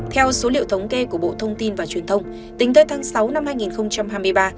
theo số liệu thống kê của bộ thông tin và truyền thông tính tới tháng sáu năm hai nghìn hai mươi ba